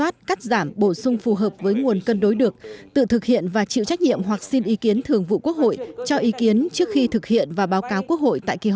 trong khi đó cho ý kiến vào đề xuất này chưa hợp lý